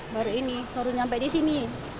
baru ini baru nyampe disini